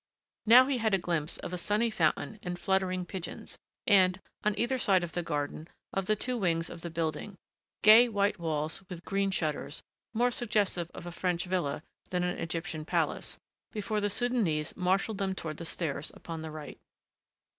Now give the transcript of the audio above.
Now he had a glimpse of a sunny fountain and fluttering pigeons, and, on either side of the garden, of the two wings of the building, gay white walls with green shutters more suggestive of a French villa than an Egyptian palace, before the Soudanese marshaled them toward the stairs upon the right.